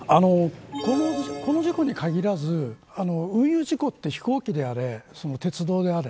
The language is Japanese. この事故に限らず運輸事故って飛行機であれ、鉄道であれ